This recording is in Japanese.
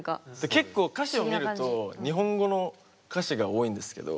結構歌詞を見ると日本語の歌詞が多いんですけど。